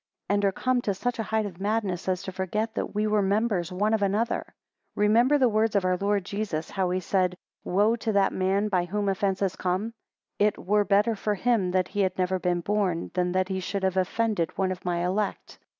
And are come to such a height of madness, as to forget that we were members one of another? 18 Remember the words of our Lord Jesus, (how he said, Woe to that man by whom offences come). It, were better for him that he had never been born, than that he should have offended one of my elect.